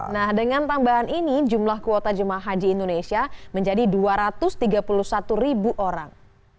nah dengan tambahan ini jumlah kuota jemaah haji indonesia menjadi dua ratus tiga puluh satu ribu orang